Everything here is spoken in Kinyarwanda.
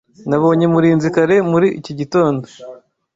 Nabonye Murinzi kare muri iki gitondo.